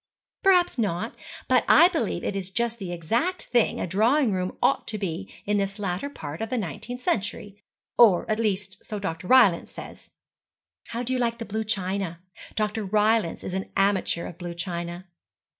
'Perhaps not. But I believe it is just the exact thing a drawing room ought to be in this latter part of the nineteenth century; or, at least, so Dr. Rylance says. How do you like the blue china? Dr. Rylance is an amateur of blue china.